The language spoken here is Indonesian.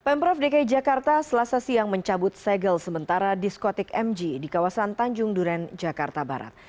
pemprov dki jakarta selasa siang mencabut segel sementara diskotik mg di kawasan tanjung duren jakarta barat